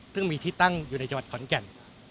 ซึ่งมีที่ตั้งอยู่ในจังหวัดขอนแก่น